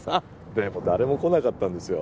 でも誰も来なかったんですよ